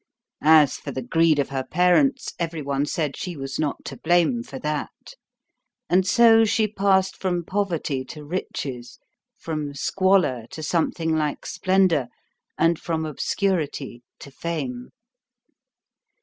As for the greed of her parents, every one said she was not to blame for that. And so she passed from poverty to riches, from squalor to something like splendor, and from obscurity to fame.